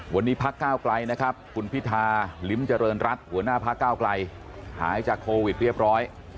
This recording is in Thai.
วันนี้พักก้าวไกลนะครับคุณพิธาลิ้มเจริญรัฐหัวหน้าพักเก้าไกลหายจากโควิดเรียบร้อย